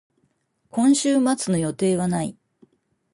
今週末の予定はない。